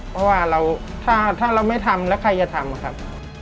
เพราะว่าถ้าเราไม่ทำแล้วใครจะทำครับ